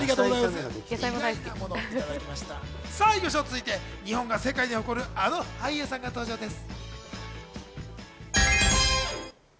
続いて日本が世界に誇る、あの俳優さんが登場です。